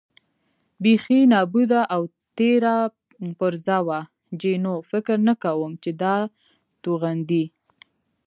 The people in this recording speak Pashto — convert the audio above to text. بېخي نابوده او تېره پرزه وه، جینو: فکر نه کوم چې دا توغندي.